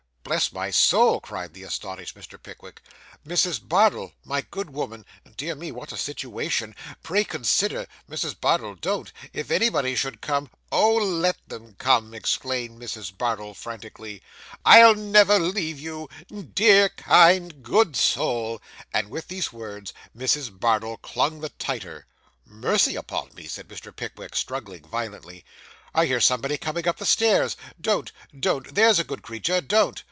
'Bless my soul,' cried the astonished Mr. Pickwick; 'Mrs. Bardell, my good woman dear me, what a situation pray consider. Mrs. Bardell, don't if anybody should come ' 'Oh, let them come,' exclaimed Mrs. Bardell frantically; 'I'll never leave you dear, kind, good soul;' and, with these words, Mrs. Bardell clung the tighter. 'Mercy upon me,' said Mr. Pickwick, struggling violently, 'I hear somebody coming up the stairs. Don't, don't, there's a good creature, don't.